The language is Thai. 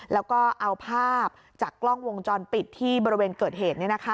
แล้วก็เอาภาพจากกล้องวงจรปิดที่บริเวณเกิดเหตุ